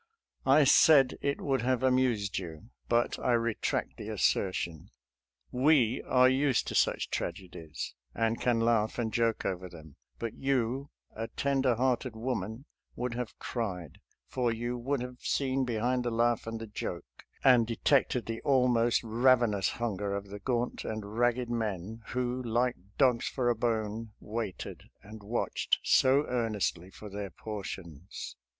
I said it would have amused you, but I retract the assertion. We are used to such tragedies, and can laugh and joke over them; but you, a ten der hearted woman, would have cried, for you would have seen behind the laugh and the joke, and detected the almost ravenous hunger of the gaunt and ragged men, who, like dogs for a bone, waited and watched so earnestly for their portions.